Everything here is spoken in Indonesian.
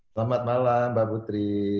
selamat malam mbak putri